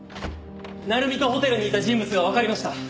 鳴海とホテルにいた人物がわかりました。